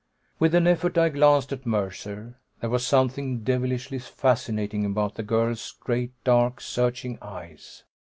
With an effort I glanced at Mercer. There was something devilishly fascinating about the girl's great, dark, searching eyes.